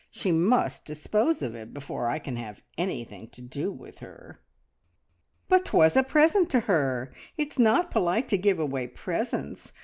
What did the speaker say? She must dispose of it before I can have anything to do with her." "But 'twas a present to her! It's not polite to give away presents.